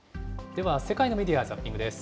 では世界のメディア・ザッピングです。